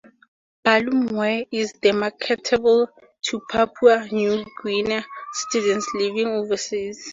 Bilumware is now marketable to Papua New Guinea citizens living overseas.